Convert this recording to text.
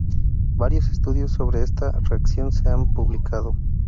Varios estudios sobre esta reacción se han publicado.